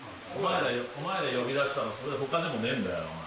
お前ら呼び出したのは他でもねえんだよ。